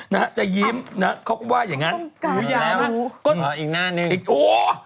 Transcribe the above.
นะฮะจะยิ้มนะเขาก็ว่าอย่างงั้นอยู่ยาวอีกหน้านึงอีกโอ๊ะ